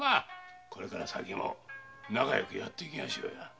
これから先も仲よくやっていきましょう。